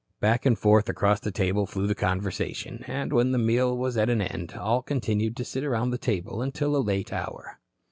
Back and forth across the table flew the conversation and, when the meal was at an end, all continued to sit around the table until a late hour.